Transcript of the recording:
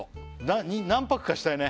何泊かしたいね